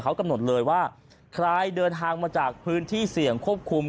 เขากำหนดเลยว่าใครเดินทางมาจากพื้นที่เสี่ยงควบคุม